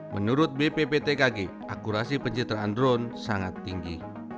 menurut bpptkg akurasi pencitraan drone sangat tinggi